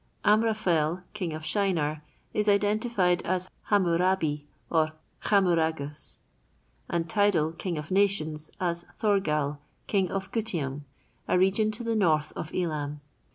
Amraphel, king of Shinar, is identified as Hammurabi, or Khammuragas, and Tidal, king of nations, as Thorgal, king of Gutium, a region to the north of Elam.